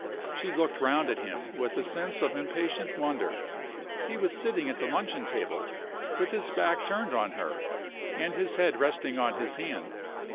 She looked round at him with a sense of impatient wonder. He was sitting at the luncheon table, with his back turned on her, and his head resting on his hand.